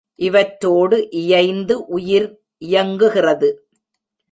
இவற்றோடு இயைந்து உயிர் இயங்குகிறது.